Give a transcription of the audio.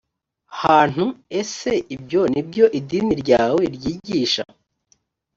hantu ese ibyo ni byo idini ryawe ryigisha